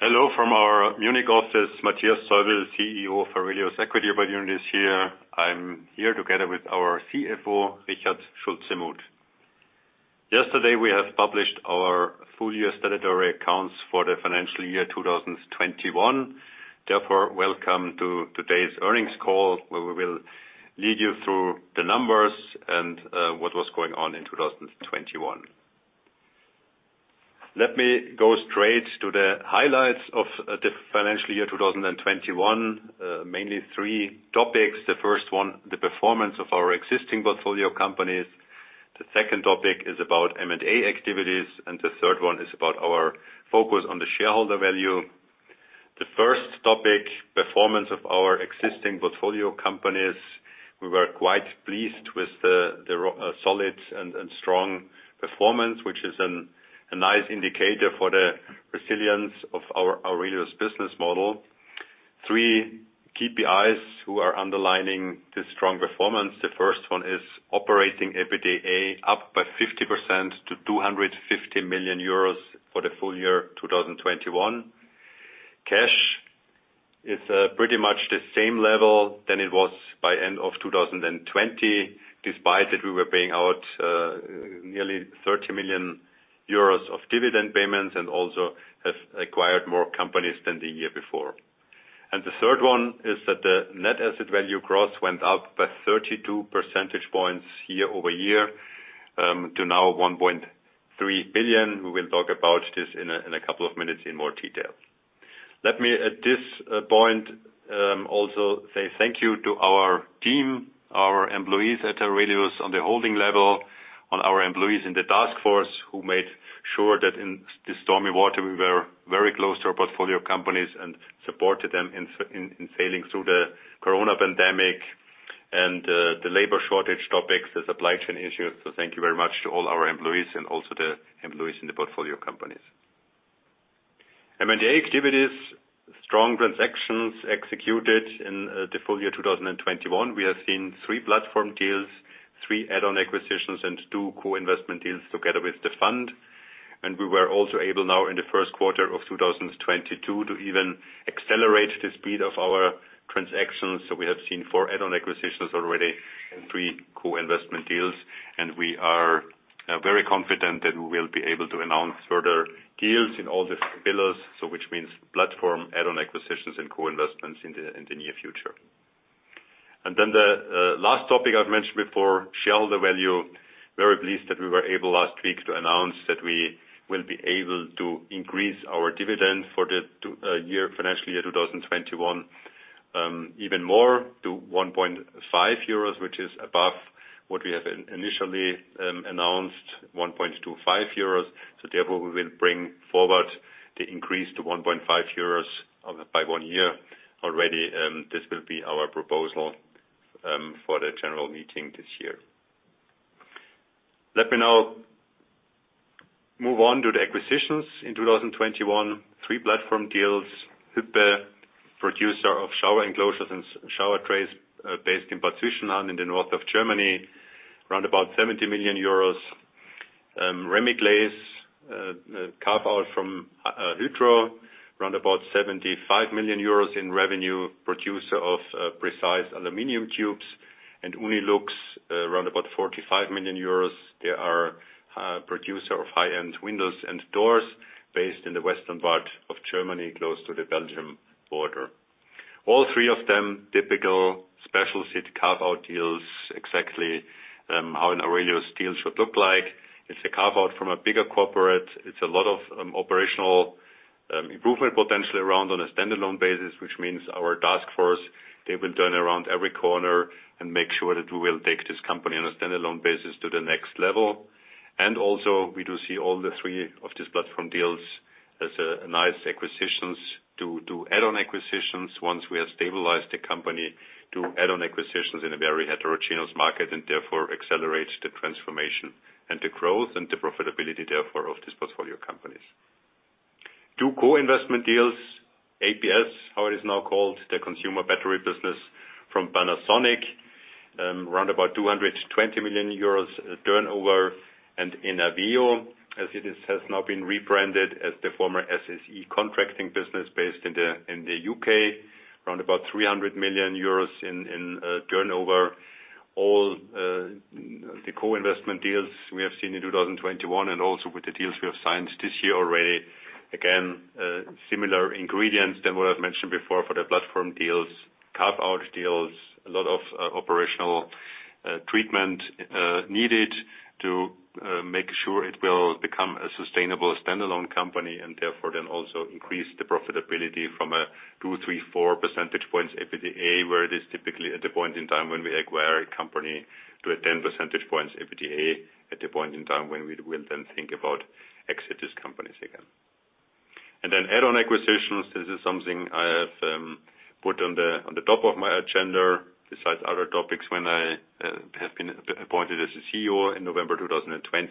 Hello from our Munich office. Matthias Täubl, CEO of AURELIUS Equity Opportunities here. I'm here together with our CFO, Richard Schulze-Muth. Yesterday, we have published our full year statutory accounts for the financial year 2021. Therefore, welcome to today's earnings call, where we will lead you through the numbers and what was going on in 2021. Let me go straight to the highlights of the financial year 2021. Mainly three topics. The first one, performance of our existing portfolio companies. The second topic is about M&A activities, and the third one is about our focus on the shareholder value. The first topic, performance of our existing portfolio companies. We were quite pleased with the solid and strong performance, which is a nice indicator for the resilience of our AURELIUS business model. Three KPIs that are underlining this strong performance. The first one is operating EBITDA up by 50% to 250 million euros for the full year 2021. Cash is pretty much the same level as it was by end of 2020, despite that we were paying out nearly 30 million euros of dividend payments and also have acquired more companies than the year before. The third one is that the net asset value gross went up by 32% points YoY to now 1.3 billion. We will talk about this in a couple of minutes in more detail. Let me, at this point, also say thank you to our team, our employees at AURELIUS on the holding level, our employees in the task force who made sure that in the stormy water, we were very close to our portfolio companies and supported them in sailing through the coronavirus pandemic and the labor shortage topics, the supply chain issues. Thank you very much to all our employees and also the employees in the portfolio companies. M&A activities, strong transactions executed in the full year 2021. We have seen three platform deals, three add-on acquisitions, and two co-investment deals together with the fund. We were also able now in the Q1 of 2022 to even accelerate the speed of our transactions. We have seen four add-on acquisitions already and three co-investment deals, and we are very confident that we will be able to announce further deals in all the pillars. Which means platform, add-on acquisitions, and co-investments in the near future. Then the last topic I've mentioned before, shareholder value. Very pleased that we were able last week to announce that we will be able to increase our dividend for the financial year 2021, even more to 1.5 euros, which is above what we have initially announced, 1.25 euros. Therefore, we will bring forward the increase to 1.5 euros by one year already, and this will be our proposal for the general meeting this year. Let me now move on to the acquisitions. In 2021, three platform deals. Hüppe, producer of shower enclosures and shower trays, based in Bad Schwartau in the north of Germany, around 70 million euros. Remi Claeys, carve-out from Hydro, around 75 million euros in revenue, producer of precise aluminum tubes. UNILUX, around 45 million euros. They are a producer of high-end windows and doors based in the western part of Germany, close to the Belgian border. All three of them, typical specialty carve-out deals, exactly how an AURELIUS deal should look like. It's a carve-out from a bigger corporate. It's a lot of operational improvement potentially around on a standalone basis, which means our task force, they will turn around every corner and make sure that we will take this company on a standalone basis to the next level. We do see all three of these platform deals as nice acquisitions to add-on acquisitions once we have stabilized the company, to add-on acquisitions in a very heterogeneous market, and therefore accelerate the transformation and the growth and the profitability therefore of these portfolio companies. Two co-investment deals, APS, how it is now called, the consumer battery business from Panasonic, around 200 million-220 million euros turnover. Innoveo, as it is, has now been rebranded as the former SSE contracting business based in the U.K., around 300 million euros in turnover. All the co-investment deals we have seen in 2021 and also with the deals we have signed this year already, again, similar ingredients than what I've mentioned before for the platform deals, carve-out deals. A lot of operational treatment needed to make sure it will become a sustainable standalone company and therefore then also increase the profitability from a 2-4 percentage points EBITDA, where it is typically at the point in time when we acquire a company to a 10% points EBITDA at the point in time when we will then think about exit these companies again. Add-on acquisitions, this is something I have put on the top of my agenda besides other topics when I have been appointed as the CEO in November 2020.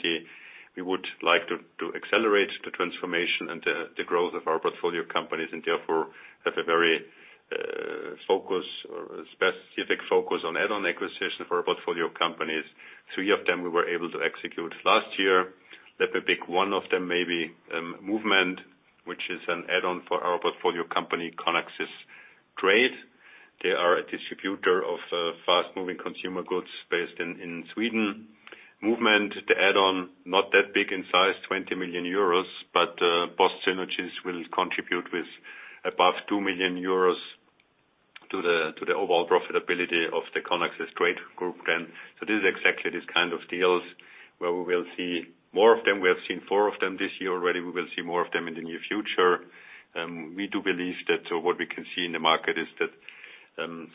We would like to accelerate the transformation and the growth of our portfolio companies and therefore have a very specific focus on add-on acquisition for our portfolio companies. Three of them we were able to execute last year. Let me pick one of them, maybe, Movement, which is an add-on for our portfolio company, Conaxess Trade. They are a distributor of fast-moving consumer goods based in Sweden. Movement, the add-on, not that big in size, 20 million euros, but post synergies will contribute with above 2 million euros to the overall profitability of the Conaxess Trade group then. This is exactly these kind of deals where we will see more of them. We have seen four of them this year already. We will see more of them in the near future. We do believe that what we can see in the market is that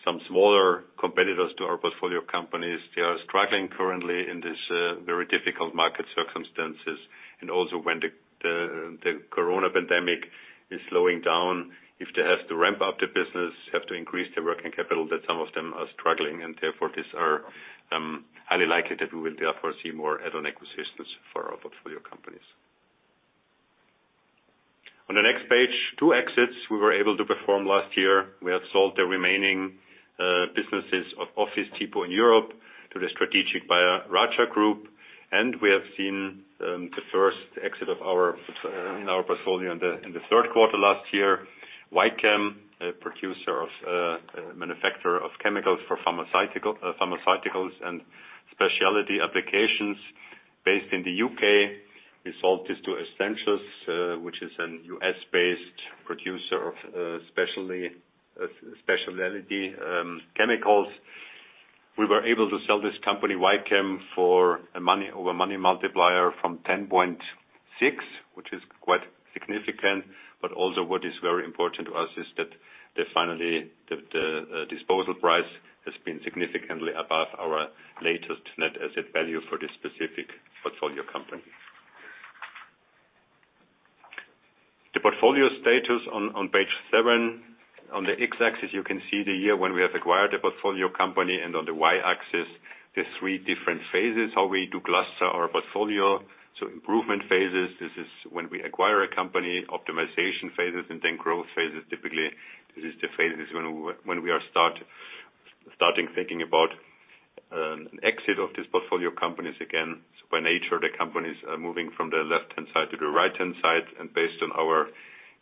some smaller competitors to our portfolio companies, they are struggling currently in this very difficult market circumstances. Also when the coronavirus pandemic is slowing down, if they have to ramp up the business, have to increase their working capital, that some of them are struggling, and therefore, these are highly likely that we will therefore see more add-on acquisitions for our portfolio companies. On the next page, two exits we were able to perform last year. We have sold the remaining businesses of Office Depot in Europe to the strategic buyer, RAJA Group. We have seen the first exit of our portfolio in the third quarter last year. Wychem, a manufacturer of chemicals for pharmaceuticals and specialty applications based in the U.K. We sold this to Ascensus, which is a U.S.-based producer of specialty chemicals. We were able to sell this company, Wychem, for a money-over-money multiple of 10.6, which is quite significant. Also what is very important to us is that the disposal price has been significantly above our latest net asset value for this specific portfolio company. The portfolio status on page seven. On the X-axis, you can see the year when we have acquired a portfolio company, and on the Y-axis, the three different phases, how we do cluster our portfolio. Improvement phases, this is when we acquire a company, optimization phases and then growth phases. Typically, this is the phase when we are starting thinking about an exit of this portfolio companies again. By nature, the companies are moving from the left-hand side to the right-hand side. Based on our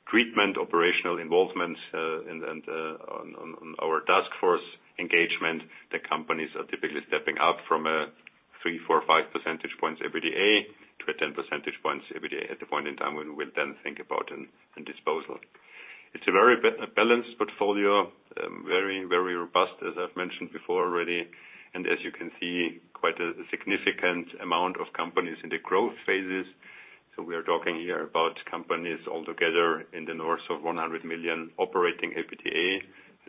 treatment, operational involvement, and on our task force engagement, the companies are typically stepping up from a 3%, 4%, 5% points EBITDA to a 10 percentage points EBITDA at the point in time when we'll then think about a disposal. It's a very balanced portfolio, very robust, as I've mentioned before already. As you can see, quite a significant amount of companies in the growth phases. We are talking here about companies all together in the north of 100 million operating EBITDA.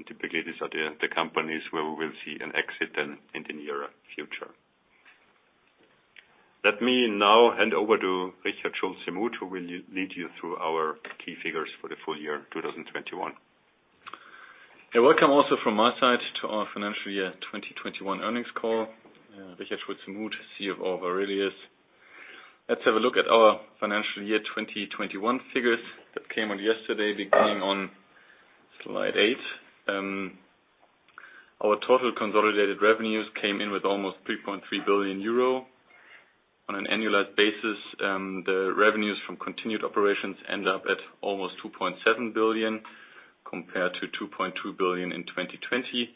Typically, these are the companies where we will see an exit in the near future. Let me now hand over to Richard Schulze-Muth, who will lead you through our key figures for the full year, 2021. Yeah, welcome also from my side to our financial year 2021 earnings call. Richard Schulze-Muth, CFO of AURELIUS. Let's have a look at our financial year 2021 figures that came out yesterday, beginning on slide eight. Our total consolidated revenues came in with almost 3.3 billion euro. On an annualized basis, the revenues from continued operations end up at almost 2.7 billion, compared to 2.2 billion in 2020.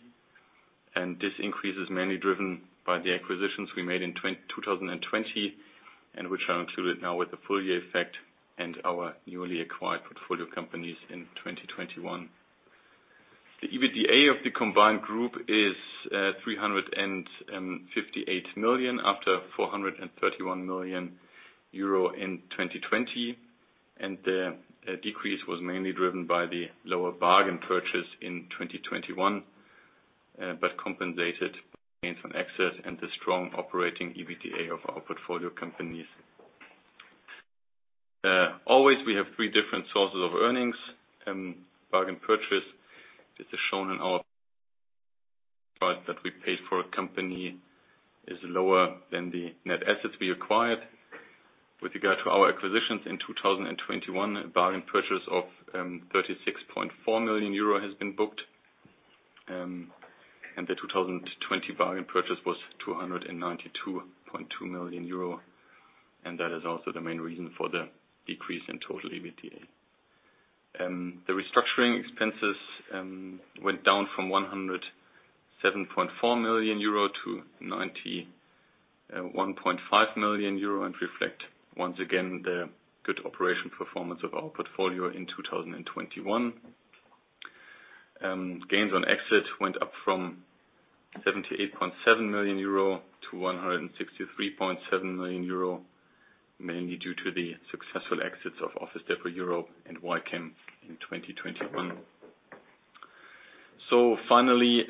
This increase is mainly driven by the acquisitions we made in 2020, and which are included now with the full year effect and our newly acquired portfolio companies in 2021. The EBITDA of the combined group is 358 million after 431 million euro in 2020. The decrease was mainly driven by the lower bargain purchase in 2021, but compensated gains on exits and the strong operating EBITDA of our portfolio companies. Also, we have three different sources of earnings and bargain purchase. This is shown in our price that we paid for a company is lower than the net assets we acquired. With regard to our acquisitions in 2021, a bargain purchase of 36.4 million euro has been booked. The 2020 bargain purchase was 292.2 million euro, and that is also the main reason for the decrease in total EBITDA. The restructuring expenses went down from 107.4 million euro to 91.5 million euro and reflect, once again, the good operational performance of our portfolio in 2021. Gains on exit went up from 78.7 million euro to 163.7 million euro, mainly due to the successful exits of Office Depot Europe and Ycam in 2021. Finally,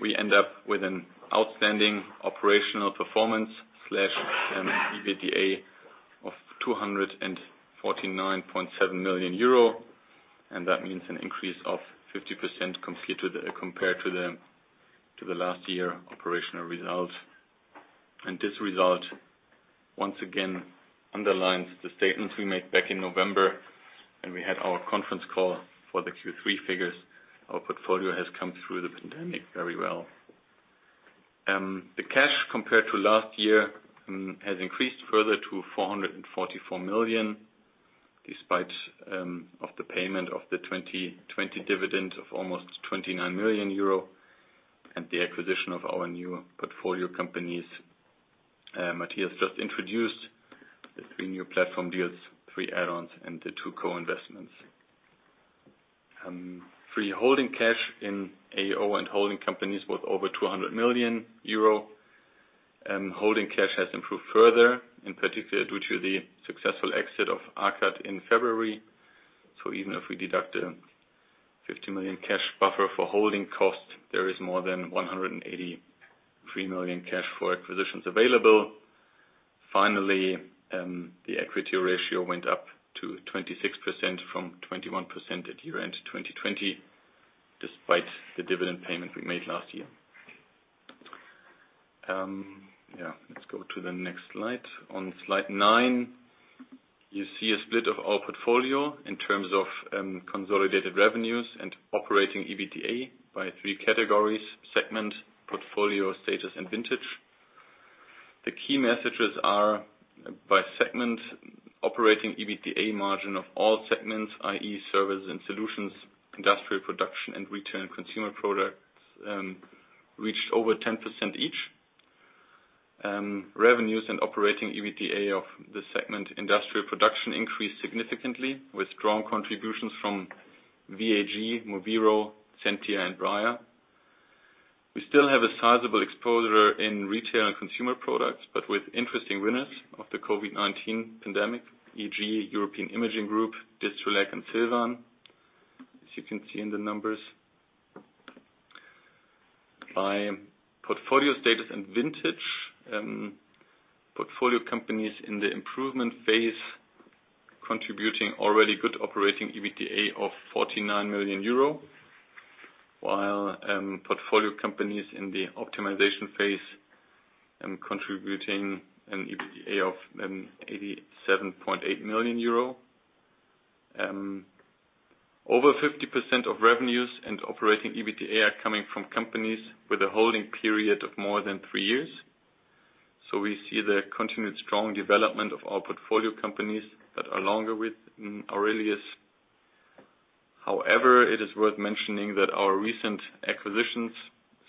we end up with an outstanding operational performance EBITDA of 249.7 million euro, and that means an increase of 50% completed compared to the last year operational result. This result once again underlines the statements we made back in November when we had our conference call for the Q3 figures. Our portfolio has come through the pandemic very well. The cash compared to last year has increased further to 444 million, despite of the payment of the 2020 dividend of almost 29 million euro and the acquisition of our new portfolio companies. Matthias just introduced the three new platform deals, three add-ons, and the two co-investments. Free holding cash in AO and holding companies was over 200 million euro, and holding cash has improved further, in particular due to the successful exit of AKAD in February. Even if we deduct a 50 million cash buffer for holding costs, there is more than 183 million cash for acquisitions available. Finally, the equity ratio went up to 26% from 21% at year-end 2020, despite the dividend payment we made last year. Yeah. Let's go to the next slide. On slide nine, you see a split of our portfolio in terms of consolidated revenues and operating EBITDA by three categories: segment, portfolio status, and vintage. The key messages are by segment, operating EBITDA margin of all segments, i.e., Services and Solutions, Industrial Production, and Retail and Consumer Products, reached over 10% each. Revenues and operating EBITDA of the segment Industrial Production increased significantly with strong contributions from VAG, moveero, Zentia, and Briar. We still have a sizable exposure in Retail and Consumer Products, but with interesting winners of the COVID-19 pandemic, e.g., European Imaging Group, Distrelec, and Silvan, as you can see in the numbers. By portfolio status and vintage, portfolio companies in the improvement phase contributing already good operating EBITDA of 49 million euro, while portfolio companies in the optimization phase contributing an EBITDA of 87.8 million euro. Over 50% of revenues and operating EBITDA are coming from companies with a holding period of more than three years. We see the continued strong development of our portfolio companies that are longer with AURELIUS. However, it is worth mentioning that our recent acquisitions,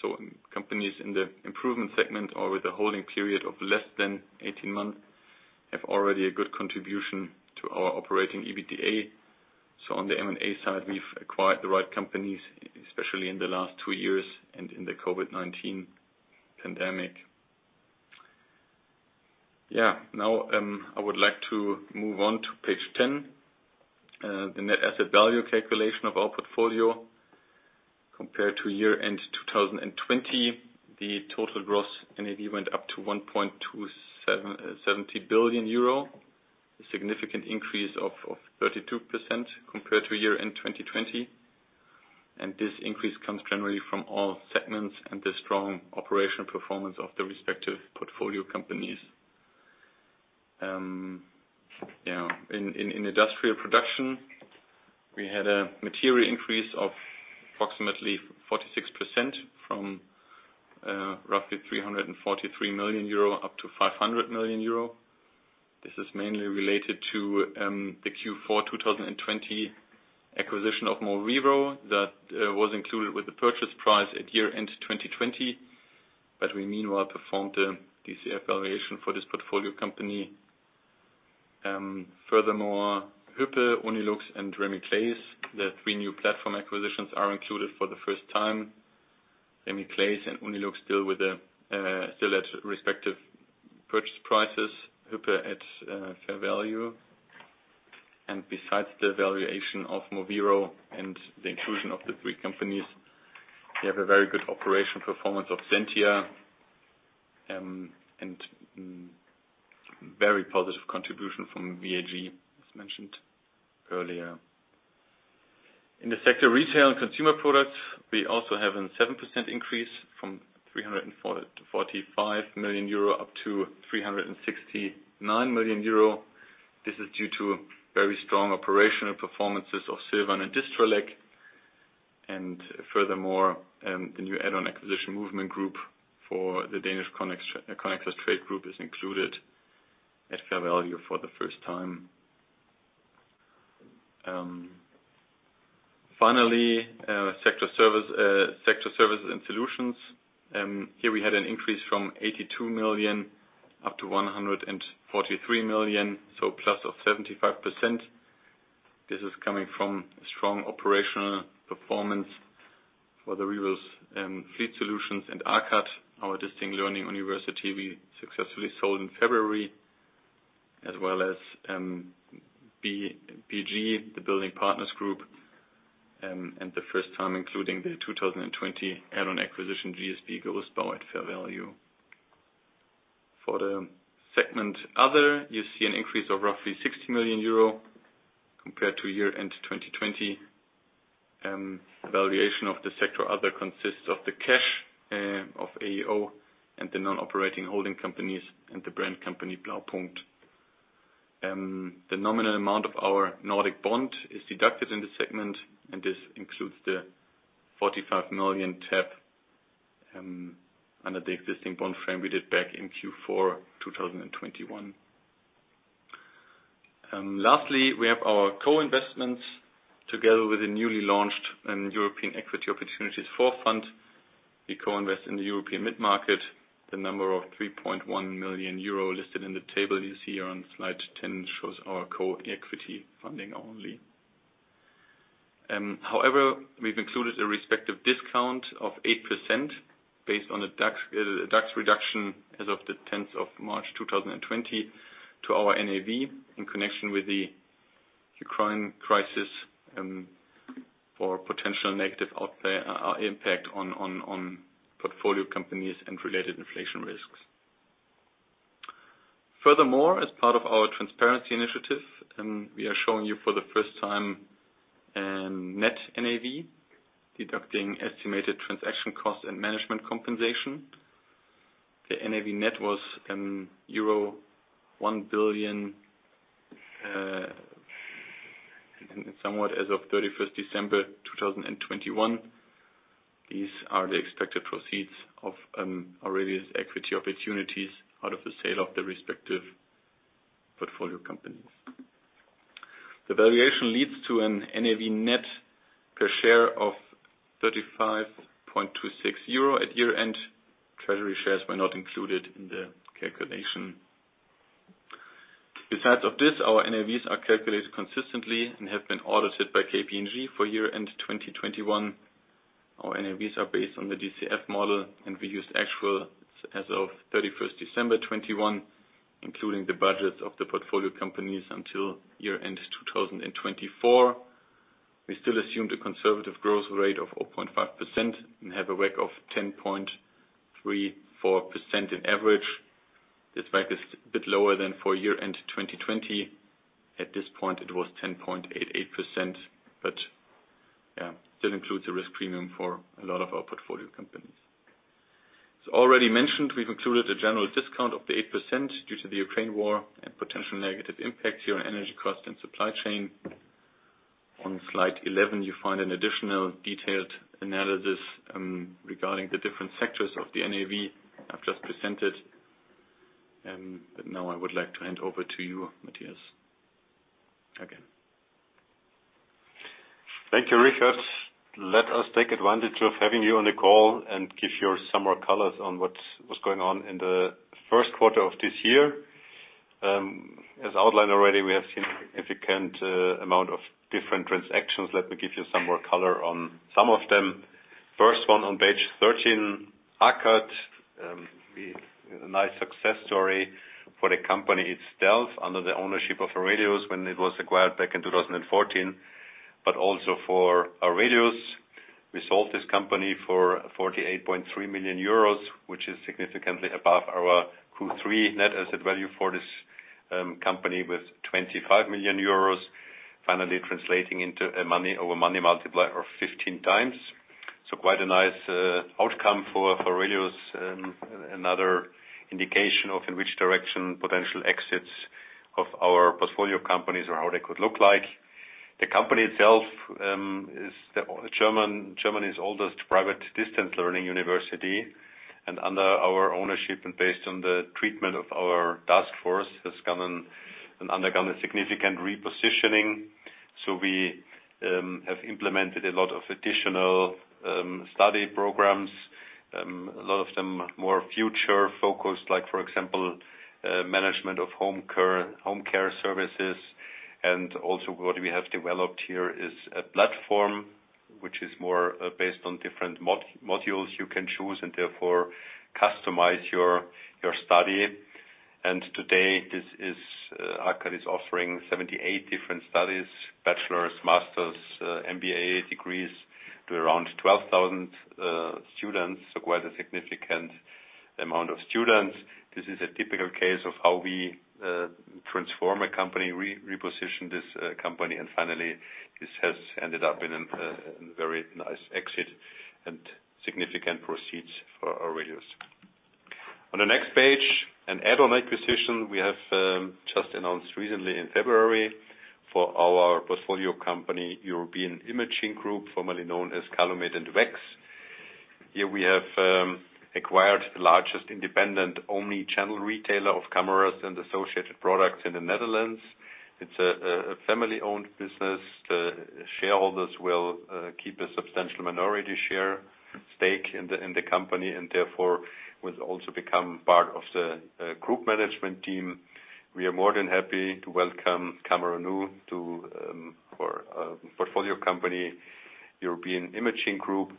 so companies in the improvement segment or with a holding period of less than 18 months, have already a good contribution to our operating EBITDA. On the M&A side, we've acquired the right companies, especially in the last two years and in the COVID-19 pandemic. Now, I would like to move on to page 10. The net asset value calculation of our portfolio compared to year-end 2020, the total gross NAV went up to 1.277 billion euro, a significant increase of 32% compared to year-end 2020. This increase comes generally from all segments and the strong operational performance of the respective portfolio companies. In industrial production, we had a material increase of approximately 46% from roughly 343 million euro up to 500 million euro. This is mainly related to the Q4 2020 acquisition of moveero that was included with the purchase price at year-end 2020, but we meanwhile performed the DCF valuation for this portfolio company. Furthermore, Hüppe, Unilux, and Remi Claeys, the three new platform acquisitions are included for the first time. Remi Claeys and Unilux still at respective purchase prices, Hüppe at fair value. Besides the valuation of Moveero and the inclusion of the three companies, we have a very good operational performance of Zentia and very positive contribution from VAG, as mentioned earlier. In the sector retail and consumer products, we also have a 7% increase from 345 million euro up to 369 million euro. This is due to very strong operational performances of Silvan and Distrelec. Furthermore, the new add-on acquisition Movement Group for the Danish Conaxess Trade group is included at fair value for the first time. Finally, sector services and solutions. Here we had an increase from 82 million up to 143 million, so plus of 75%. This is coming from a strong operational performance for the Rivus Fleet Solutions and AKAD, our distance learning university we successfully sold in February, as well as, BPG, the Building Partners Group, and the first time including the 2020 add-on acquisition GSB Gerüstbau at fair value. For the segment other, you see an increase of roughly 60 million euro compared to year-end 2020. The valuation of the segment other consists of the cash of AEO and the non-operating holding companies and the brand company Blaupunkt. The nominal amount of our Nordic bond is deducted in the segment, and this includes the 45 million tap under the existing bond frame we did back in Q4 2021. Lastly, we have our co-investments together with the newly launched AURELIUS European Opportunities Fund IV. We co-invest in the European mid-market. The number of 3.1 million euro listed in the table you see on slide 10 shows our co-equity funding only. However, we've included a respective discount of 8% based on a DAX reduction as of the tenth of March 2020 to our NAV in connection with the Ukraine crisis for potential negative impact on portfolio companies and related inflation risks. Furthermore, as part of our transparency initiative, we are showing you for the first time net NAV deducting estimated transaction costs and management compensation. The NAV net was euro 1 billion as of thirty-first December 2021. These are the expected proceeds of AURELIUS Equity Opportunities out of the sale of the respective portfolio companies. The valuation leads to an NAV net per share of 35.26 euro at year-end. Treasury shares were not included in the calculation. Besides this, our NAVs are calculated consistently and have been audited by KPMG for year-end 2021. Our NAVs are based on the DCF model, and we use actuals as of December 31, 2021, including the budgets of the portfolio companies until year-end 2024. We still assume the conservative growth rate of 0.5% and have a WACC of 10.34% on average. This WACC is a bit lower than for year-end 2020. At this point, it was 10.88%, but, yeah, that includes a risk premium for a lot of our portfolio companies. As already mentioned, we've included a general discount of 8% due to the Ukraine war and potential negative impacts here on energy cost and supply chain. On slide 11, you find an additional detailed analysis regarding the different sectors of the NAV I've just presented. Now I would like to hand over to you, Matthias, again. Thank you, Richard. Let us take advantage of having you on the call and give you some more color on what's going on in the first quarter of this year. As outlined already, we have seen a significant amount of different transactions. Let me give you some more color on some of them. First one on page 13, AKAD, a nice success story for the company itself under the ownership of AURELIUS when it was acquired back in 2014, but also for AURELIUS. We sold this company for 48.3 million euros, which is significantly above our Q3 net asset value for this company with 25 million euros, finally translating into a money multiplier of 15x. Quite a nice outcome for AURELIUS. Another indication of in which direction potential exits of our portfolio companies or how they could look like. The company itself is the German, Germany's oldest private distance learning university, and under our ownership and based on the treatment of our task force, has come and undergone a significant repositioning. We have implemented a lot of additional study programs, a lot of them more future-focused, like for example, management of home care services. Also what we have developed here is a platform which is more based on different modules you can choose and therefore customize your study. Today, AKAD is offering 78 different studies, bachelor's, master's, MBA degrees to around 12,000 students, so quite a significant amount of students. This is a typical case of how we transform a company, reposition this company, and finally, this has ended up in a very nice exit and significant proceeds for AURELIUS. On the next page, an add-on acquisition we have just announced recently in February for our portfolio company, European Imaging Group, formerly known as Calumet and Wex. Here we have acquired the largest independent omnichannel retailer of cameras and associated products in the Netherlands. It's a family-owned business. The shareholders will keep a substantial minority share stake in the company and therefore will also become part of the group management team. We are more than happy to welcome CameraNU to our portfolio company European Imaging Group.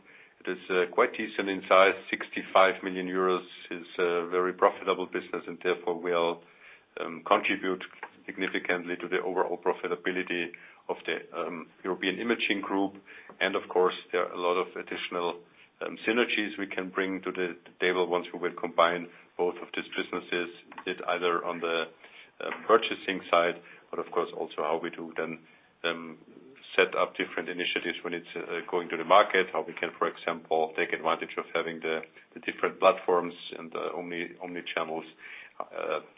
It is quite decent in size. 65 million euros is a very profitable business and therefore will contribute significantly to the overall profitability of the European Imaging Group. Of course, there are a lot of additional synergies we can bring to the table once we will combine both of these businesses, either on the purchasing side, but of course also how we do then set up different initiatives when it's going to the market. How we can, for example, take advantage of having the different platforms and the Omnichannels.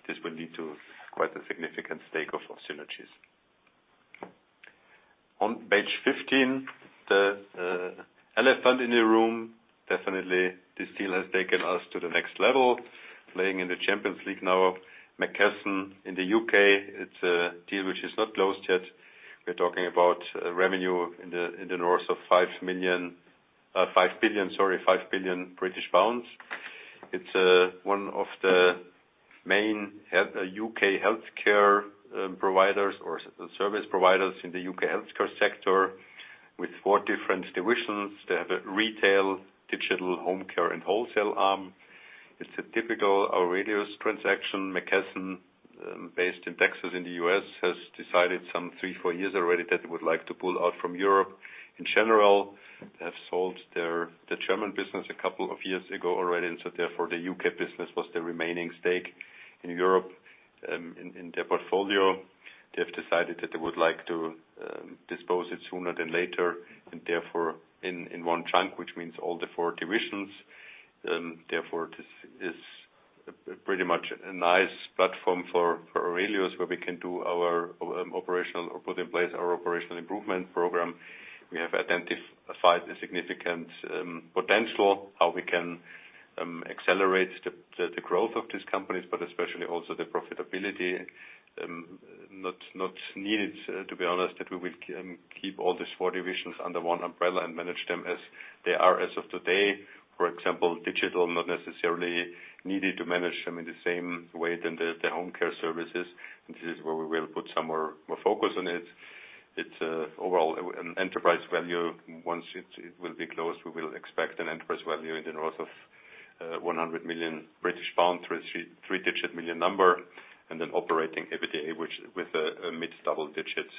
This will lead to quite a significant stake of synergies. On page 15, the elephant in the room, definitely this deal has taken us to the next level, playing in the Champions League now. McKesson in the U.K., it's a deal which is not closed yet. We're talking about revenue in the north of 5 billion. It's one of the main UK healthcare providers or service providers in the UK healthcare sector with four different divisions. They have a retail, digital home care and wholesale arm. It's a typical AURELIUS transaction. McKesson, based in Texas in the U.S., has decided some three or four years already that they would like to pull out from Europe. In general, they have sold their German business a couple of years ago already, and therefore, the UK business was the remaining stake in Europe, in their portfolio. They have decided that they would like to dispose it sooner than later, and therefore in one chunk, which means all the four divisions. Therefore this is pretty much a nice platform for AURELIUS where we can put in place our operational improvement program. We have identified a significant potential how we can accelerate the growth of these companies, but especially also the profitability. Not needed, to be honest, that we will keep all these four divisions under one umbrella and manage them as they are as of today. For example, digital not necessarily needed to manage them in the same way than the home care services. This is where we will put some more focus on it. It's overall an enterprise value. Once it will be closed, we will expect an enterprise value in the north of 100 million British pounds, three-digit million number, and then operating EBITDA with a mid-double-digit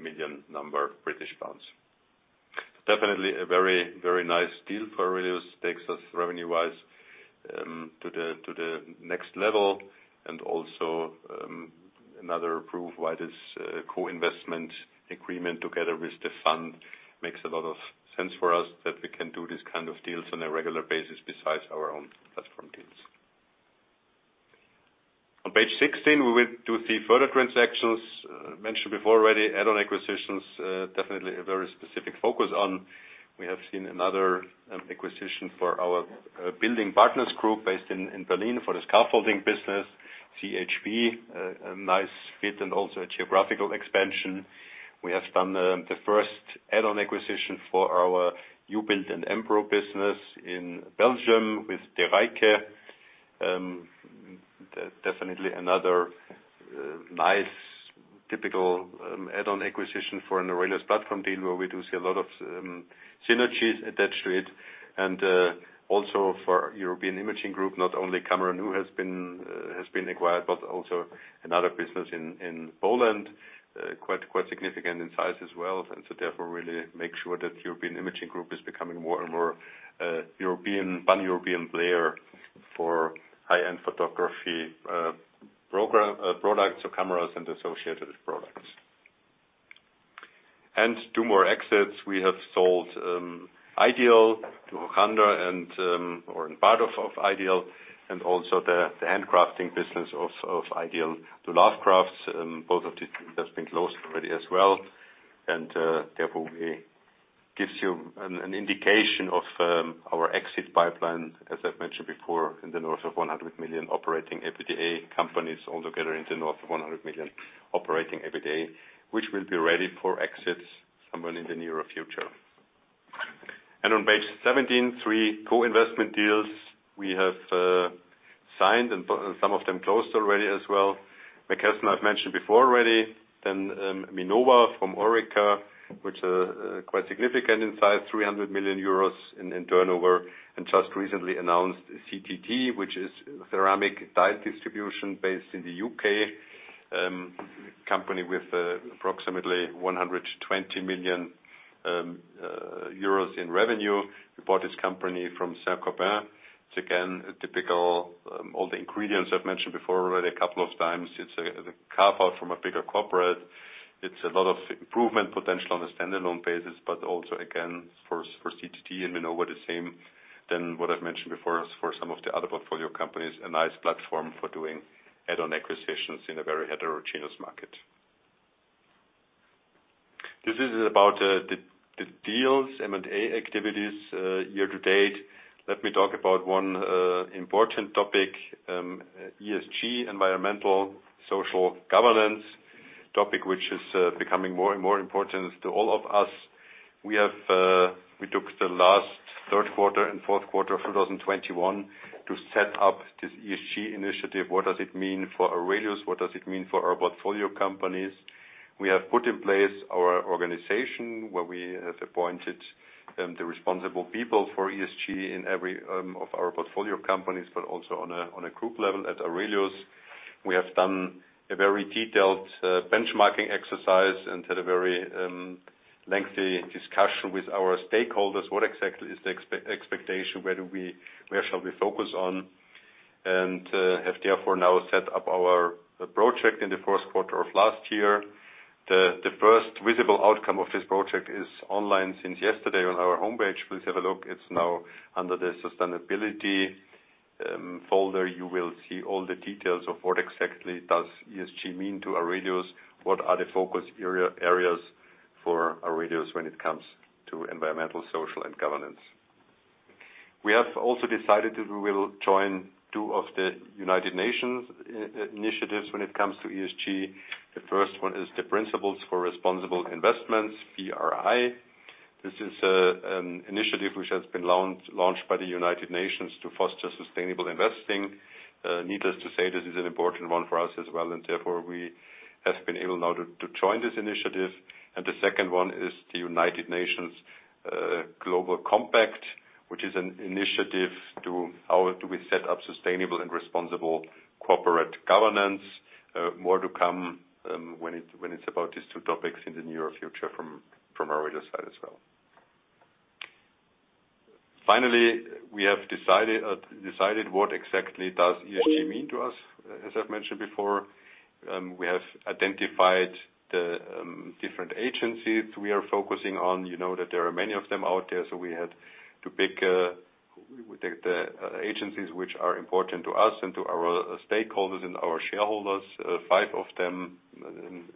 million GBP. Definitely a very nice deal for AURELIUS. It takes us revenue-wise to the next level and also another proof why this co-investment agreement together with the fund makes a lot of sense for us that we can do these kind of deals on a regular basis besides our own platform deals. On page 16, we will do three further transactions. Mentioned before already, add-on acquisitions, definitely a very specific focus on. We have seen another acquisition for our Building Partners Group based in Berlin for the scaffolding business. CHB, a nice fit and also a geographical expansion. We have done the first add-on acquisition for our new build and improve business in Belgium with De Rycke. Definitely another nice typical add-on acquisition for an AURELIUS platform deal where we do see a lot of synergies attached to it. Also for European Imaging Group, not only CameraNU has been acquired, but also another business in Poland. Quite significant in size as well. Therefore really make sure that European Imaging Group is becoming more and more European, pan-European player for high-end photography program products or cameras and associated products. Two more exits. We have sold Ideal to Hochanda and also the handcrafting business of Ideal to LoveCrafts. Both of the deals been closed already as well and therefore gives you an indication of our exit pipeline, as I've mentioned before, in the north of 100 million operating EBITDA companies all together in the north of 100 million operating EBITDA, which will be ready for exit somewhere in the nearer future. On page 17, three co-investment deals we have signed and some of them closed already as well. McKesson, I've mentioned before already. Then, Minova from Orica, which are quite significant in size, 300 million euros in turnover and just recently announced CTD, which is ceramic tile distributor based in the U.K. Company with approximately 100 million-120 million euros in revenue. We bought this company from Saint-Gobain. It's again a typical all the ingredients I've mentioned before already a couple of times. It's the carve-out from a bigger corporate. It's a lot of improvement potential on a standalone basis, but also again for CTD and Minova the same than what I've mentioned before for some of the other portfolio companies, a nice platform for doing add-on acquisitions in a very heterogeneous market. This is about the deals, M&A activities year to date. Let me talk about one important topic, ESG, environmental, social, governance. Topic which is becoming more and more important to all of us. We took the last third quarter and fourth quarter of 2021 to set up this ESG initiative. What does it mean for AURELIUS? What does it mean for our portfolio companies? We have put in place our organization where we have appointed the responsible people for ESG in every one of our portfolio companies, but also on a group level at AURELIUS. We have done a very detailed benchmarking exercise and had a very lengthy discussion with our stakeholders, what exactly is the expectation, where shall we focus on. We have therefore now set up our project in the first quarter of last year. The first visible outcome of this project is online since yesterday on our homepage. Please have a look. It's now under the sustainability folder. You will see all the details of what exactly does ESG mean to AURELIUS. What are the focus areas for AURELIUS when it comes to environmental, social, and governance. We have also decided that we will join two of the United Nations initiatives when it comes to ESG. The first one is the Principles for Responsible Investment, PRI. This is an initiative which has been launched by the United Nations to foster sustainable investing. Needless to say, this is an important one for us as well, and therefore we have been able now to join this initiative. The second one is the United Nations Global Compact, which is an initiative for how we set up sustainable and responsible corporate governance. More to come when it's about these two topics in the near future from Aurelius side as well. Finally, we have decided what exactly does ESG mean to us. As I've mentioned before, we have identified the different areas we are focusing on. You know that there are many of them out there, so we had to pick the agencies which are important to us and to our stakeholders and our shareholders. Five of them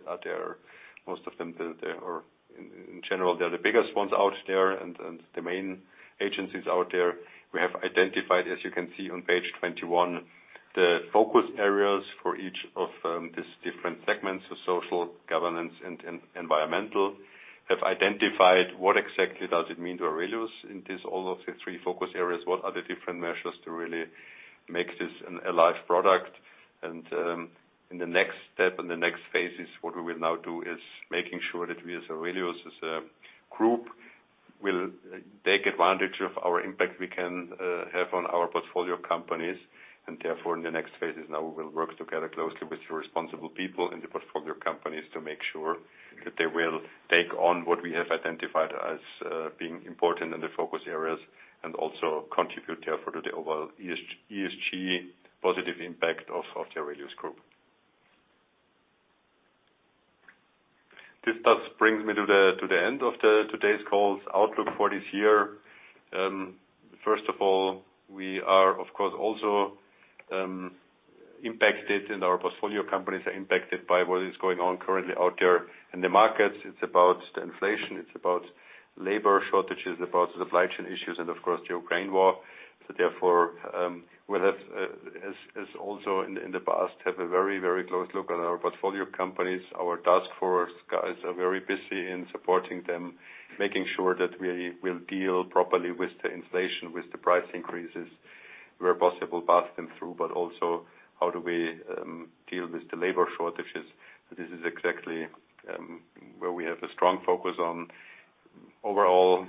are out there. Most of them they are in general the biggest ones out there and the main agencies out there. We have identified, as you can see on page 21, the focus areas for each of these different segments of social, governance, and environmental. Have identified what exactly does it mean to AURELIUS in this all of the three focus areas. What are the different measures to really make this an alive product. In the next step, in the next phases, what we will now do is making sure that we as AURELIUS, as a group, will take advantage of our impact we can have on our portfolio companies. In the next phases now we will work together closely with the responsible people in the portfolio companies to make sure that they will take on what we have identified as being important in the focus areas and also contribute therefore to the overall ESG positive impact of the AURELIUS group. This does bring me to the end of today's call's outlook for this year. First of all, we are of course also impacted and our portfolio companies are impacted by what is going on currently out there in the markets. It's about the inflation, it's about labor shortages, it's about supply chain issues and of course the Ukraine war. We'll have, as also in the past, a very close look at our portfolio companies. Our task force guys are very busy in supporting them, making sure that we will deal properly with the inflation, with the price increases where possible pass them through. But also how do we deal with the labor shortages. This is exactly where we have a strong focus on overall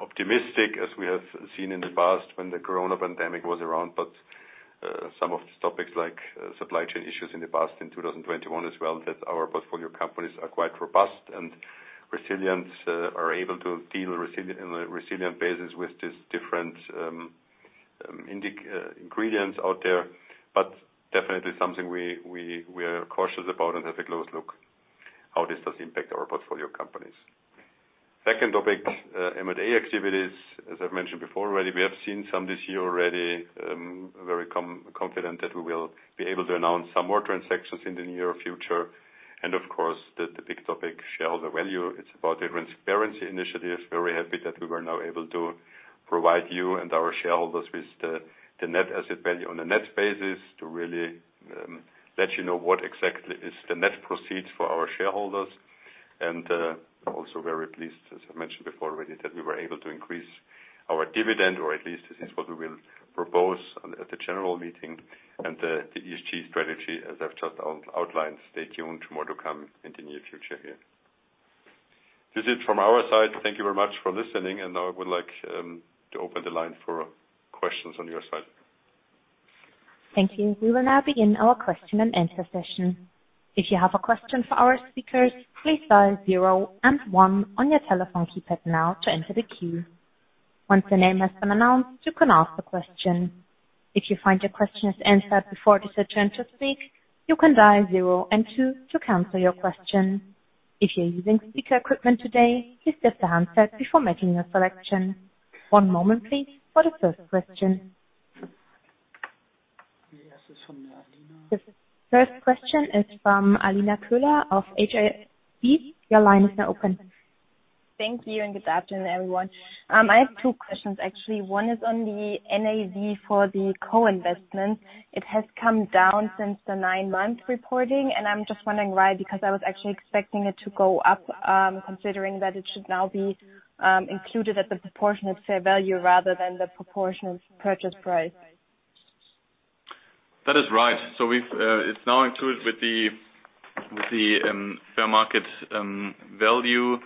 optimistic as we have seen in the past when the corona pandemic was around. Some of these topics like supply chain issues in the past, in 2021 as well, that our portfolio companies are quite robust and resilient, are able to deal in a resilient basis with these different indicators out there. Definitely something we are cautious about and have a close look how this does impact our portfolio companies. Second topic, M&A activities. As I've mentioned before already, we have seen some this year already. Very confident that we will be able to announce some more transactions in the near future. Of course, the big topic, shareholder value. It's about the transparency initiatives. Very happy that we were now able to provide you and our shareholders with the net asset value on the net basis to really let you know what exactly is the net proceeds for our shareholders. Also very pleased, as I mentioned before already, that we were able to increase our dividend or at least this is what we will propose at the general meeting and the ESG strategy as I've just outlined. Stay tuned. More to come in the near future here. This is it from our side. Thank you very much for listening. Now I would like to open the line for questions on your side. Thank you. We will now begin our question-and-answer session. If you have a question for our speakers, please dial zero and one on your telephone keypad now to enter the queue. Once your name has been announced, you can ask the question. If you find your question is answered before it is your turn to speak, you can dial zero and two to cancel your question. If you're using speaker equipment today, please deaf the handset before making your selection. One moment please for the first question. Yes, this is from Alina. The first question is from Alina Köhler of Hauck & Aufhäuser. Thank you and good afternoon, everyone. I have two questions, actually. One is on the NAV for the co-investment. It has come down since the nine-month reporting, and I'm just wondering why, because I was actually expecting it to go up, considering that it should now be included at the proportionate share value rather than the proportionate purchase price. That is right. We've, it's now included with the fair market value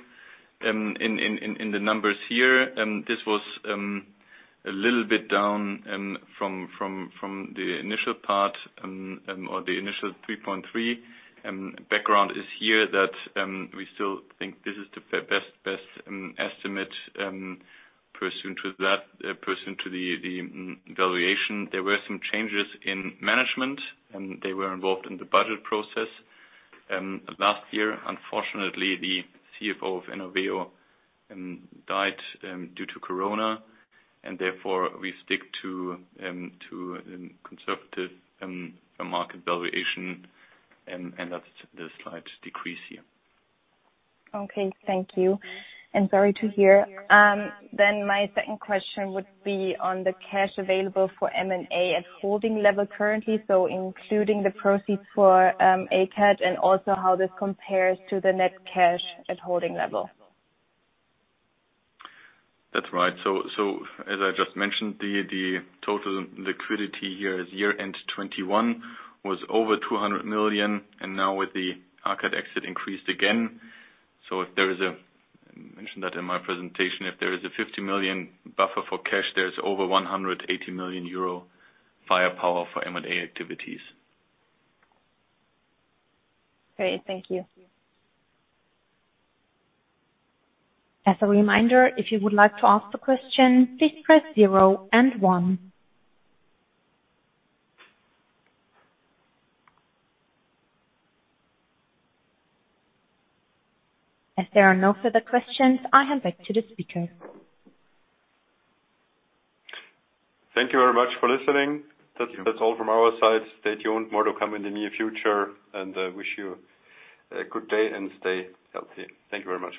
in the numbers here. This was a little bit down from the initial part or the initial 3.3. Background is here that we still think this is the best estimate pursuant to the valuation. There were some changes in management, and they were involved in the budget process. Last year, unfortunately, the CFO of Ener died due to COVID-19, and therefore we stick to conservative market valuation and that's the slight decrease here. Okay. Thank you. Sorry to hear. My second question would be on the cash available for M&A at holding level currently, so including the proceeds for AKAD and also how this compares to the net cash at holding level. That's right. As I just mentioned, the total liquidity here at year-end 2021 was over 200 million, and now with the AKAD exit increased again. I mentioned that in my presentation. If there is a 50 million buffer for cash, there's over 180 million euro firepower for M&A activities. Great. Thank you. As a reminder, if you would like to ask a question, please press zero and one. If there are no further questions, I hand back to the speaker. Thank you very much for listening. That's all from our side. Stay tuned. More to come in the near future. Wish you a good day and stay healthy. Thank you very much.